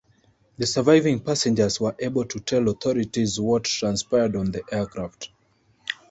The surviving passengers were able to tell authorities what transpired on the aircraft.